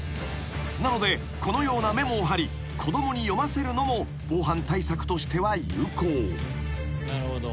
［なのでこのようなメモを張り子供に読ませるのも防犯対策としては有効］